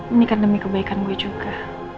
ini kan demi kebaikan gue juga